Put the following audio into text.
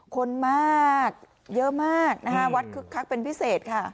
คนมากเยอะมากนะคะวัดคึกคักเป็นพิเศษค่ะ